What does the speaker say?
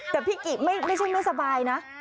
แต่พี่กิไม่ใช่ไม่สบายนะ